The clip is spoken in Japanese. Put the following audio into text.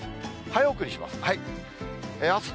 早送りします。